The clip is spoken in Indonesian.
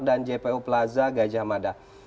dan jpo plaza gajah mada